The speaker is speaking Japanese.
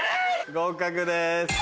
合格です。